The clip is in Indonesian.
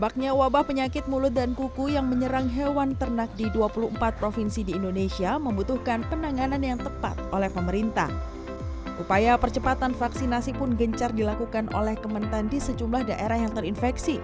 kementerian pertanian kementan